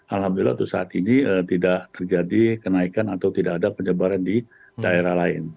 alhamdulillah untuk saat ini tidak terjadi kenaikan atau tidak ada penyebaran di daerah lain